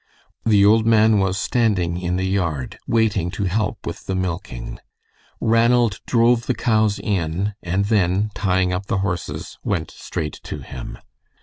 The old man was standing in the yard, waiting to help with the milking. Ranald drove the cows in, and then, tying up the horses, went straight to him.